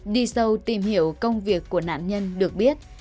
đi sâu tìm hiểu công việc của nạn nhân được biết